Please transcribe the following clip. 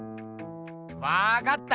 わかった！